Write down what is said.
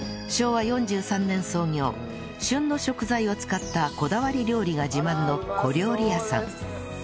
旬の食材を使ったこだわり料理が自慢の小料理屋さん